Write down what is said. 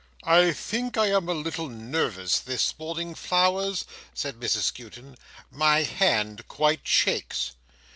"I think I am a little nervous this morning, Flowers," said Mrs Skewton. "My hand quite shakes."